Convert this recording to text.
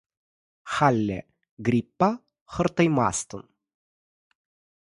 Халӗ гриппа хӑратаймастӑн.